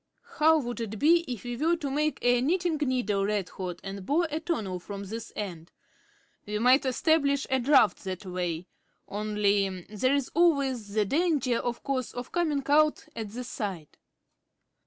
How would it be if we were to make a knitting needle red hot and bore a tunnel from this end? We might establish a draught that way. Only there's always the danger, of course, of coming out at the side."